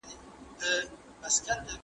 څوک ښځه له روا کار څخه منع کولای سي؟